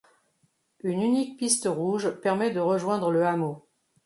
Une unique piste rouge permet de rejoindre le hameau.